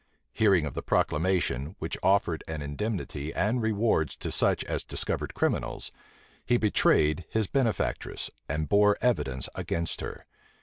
Hearing of the proclamation, which offered an indemnity and rewards to such as discovered criminals, he betrayed his benefactress, and bore evidence against her.